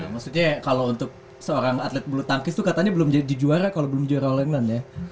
maksudnya kalau untuk seorang atlet bulu tangkis tuh katanya belum jadi juara kalau belum juara all england ya